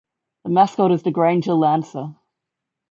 The mascot is the Granger Lancer.